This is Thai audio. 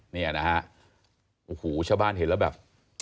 เนี่ยนะฮะโอ้โหชาวบ้านเห็นแล้วแบบ